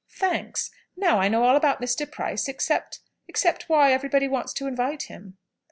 "Thanks. Now I know all about Mr. Price; except except why everybody wants to invite him."